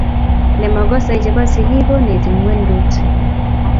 Nemogose chebo sisig goneti ngwedut